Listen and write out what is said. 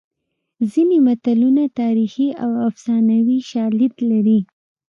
ځینې متلونه تاریخي او افسانوي شالید لري